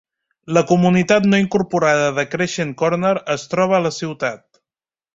La comunitat no incorporada de Crescent Corner es troba a la ciutat.